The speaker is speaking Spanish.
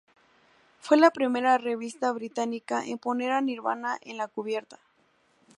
Fue la primera revista británica en poner a Nirvana en la cubierta.